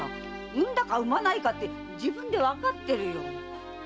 産んだか産まないかって自分でわかってるよ。